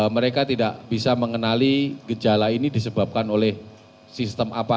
mereka tidak bisa mengenali gejala ini disebabkan oleh sistem apa